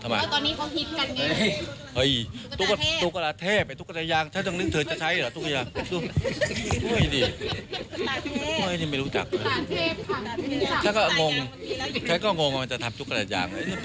ไม่รู้จักตุ๊กตาลูกเทพถ้าก็งงว่ามันจะทำทุกกระดาษอย่าง